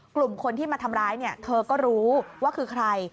กลุ่มคนที่มาทำร้ายเนี่ยเธอก็รู้ว่าคือใคร